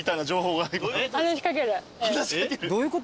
どういうこと？